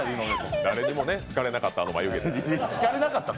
誰にも好かれなかった眉毛。